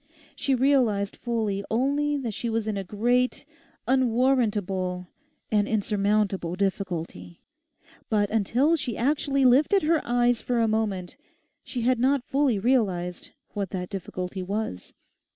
She realised fully only that she was in a great, unwarrantable, and insurmountable difficulty, but until she actually lifted her eyes for a moment she had not fully realised what that difficulty was.